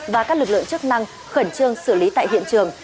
và các lực lượng chức năng khẩn trương xử lý tại hiện trường